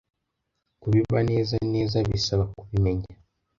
Kubiba neza neza bisaba kubimenya